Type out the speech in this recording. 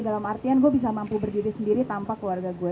dalam artian gue bisa mampu berdiri sendiri tanpa keluarga gue